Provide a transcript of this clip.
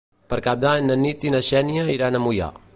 Per Cap d'Any na Nit i na Xènia iran a Moià.